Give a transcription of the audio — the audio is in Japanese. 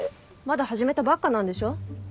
まだ始めたばっかなんでしょ？